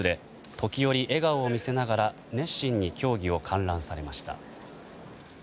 時折、笑顔を見せながら熱心に競技を観覧されました。